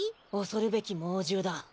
おそるべきもうじゅうだ。